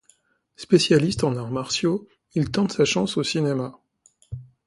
Spécialiste en Arts Martiaux, il tente sa chance au cinéma.